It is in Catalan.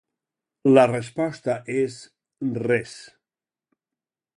La resposta és: res.